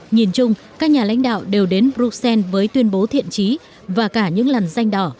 nhìn chung các nhà lãnh đạo đều đến bruxelles với tuyên bố thiện trí và cả những lần danh đỏ